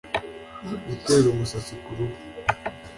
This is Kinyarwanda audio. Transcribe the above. gutera umusatsi ku ruhu